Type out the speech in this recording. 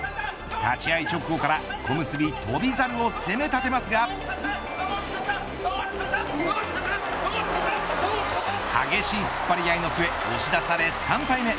立ち合い直後から小結、翔猿を攻め立てますが激しい突っ張り合いの末押し出され３敗目。